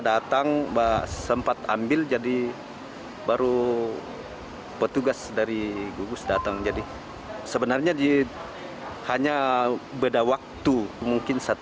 datang mbak sempat ambil jadi baru petugas dari gugus datang jadi sebenarnya di hanya beda waktu mungkin